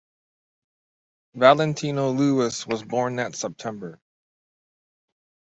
Valentino Louis was born that September.